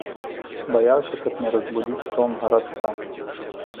Баяўся, каб не разбудзіць сон гарадка.